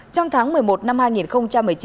trong tháng một mươi một năm hai nghìn một mươi chín